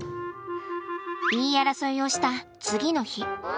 言い争いをした次の日。